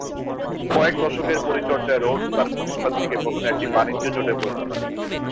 কয়েক দশকের পরিচর্যায় রোডস তাঁর প্রতিষ্ঠানটিকে প্রথমে একটি বাণিজ্য-জোটে পরিণত করেন।